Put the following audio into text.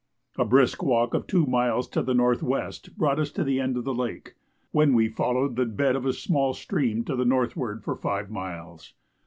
A brisk walk of two miles to the N.W. brought us to the end of the lake, when we followed the bed of a small stream to the northward for five miles.